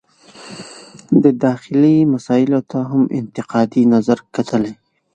د داخلي مسایلو ته هم انتقادي نظر کتلي.